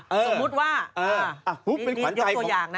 สมมุติว่ามียกตัวอย่างนะสมมุติว่าเป็นขวัญใจของ